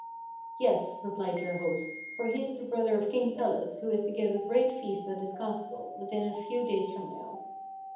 "^es," replied their host, "for he is the brother of King Pelles wlio is to give a great feast at his castle within a few days from now.